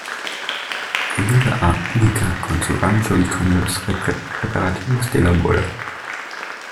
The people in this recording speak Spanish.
Ayuda a Única con su rancho y con los preparativos de la boda.